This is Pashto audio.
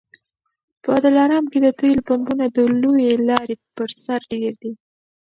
په دلارام کي د تېلو پمپونه د لويې لارې پر سر ډېر دي